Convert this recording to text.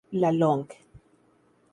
La long.